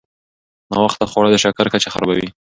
ناوخته خواړه د شکر کچه خرابوي.